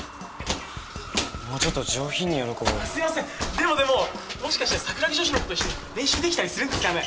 でもでももしかして桜木女子の子と一緒に練習できたりするんですかね？